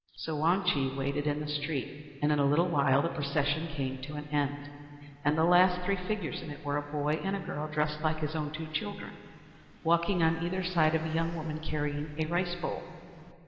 So Wang Chih waited in the street; and in a little while the procession came to an end; and the last three figures in it were a boy and girl, dressed like his own two children, walking on either side of a young woman carrying a rice bowl.